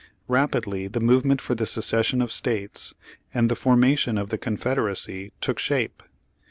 Rapidly the movement for the secession of States, and the formation of the Confederacy took shape.